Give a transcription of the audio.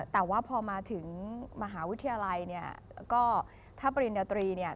แต่ว่าพอมาถึงมหาวิทยาลัยเนี่ยก็ถ้าปริญญาตรีเนี่ย